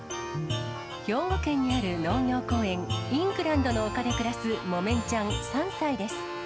兵庫県にある農業公園、イングランドの丘で暮らすもめんちゃん３歳です。